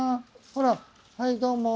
ほらはいどうも。